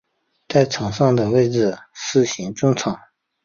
在场上的位置是型中场。